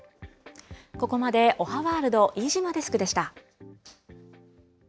ここまでおはワールド、飯島デスクでした。